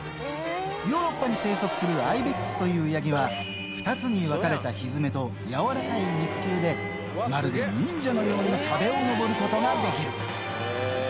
ヨーロッパに生息するアイベックスというヤギは、２つに分かれたひづめと、柔らかい肉球で、まるで忍者のように壁を登ることができる。